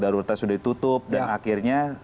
darur darur sudah ditutup dan akhirnya